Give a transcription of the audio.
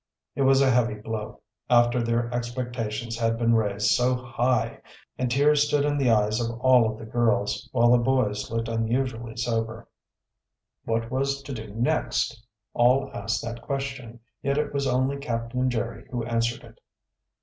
It was a heavy blow, after their expectations had been raised so high, and tears stood in the eyes of all of the girls, while the boys looked unusually sober. What was to do next? All asked that question, yet it was only Captain Jerry who answered it.